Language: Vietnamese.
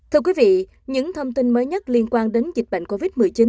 thưa quý vị những thông tin mới nhất liên quan đến dịch bệnh covid một mươi chín